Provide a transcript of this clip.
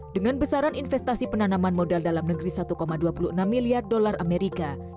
dengan besaran investasi penanaman modal dalam negeri satu dua puluh enam miliar dolar amerika